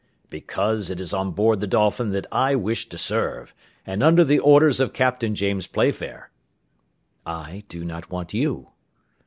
"Because it is on board the Dolphin that I wish to serve, and under the orders of Captain James Playfair." "I do not want you."